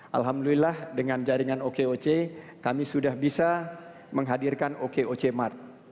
alhamdulillah dengan jaringan okoc kami sudah bisa menghadirkan okoc mart